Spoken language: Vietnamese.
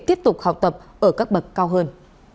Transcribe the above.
tiếp tục học tập ở các bậc cao hơn